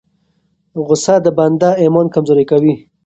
غصه د بنده ایمان کمزوری کوي.